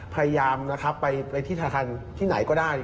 พยายามนะครับไปที่ธนาคารที่ไหนก็ได้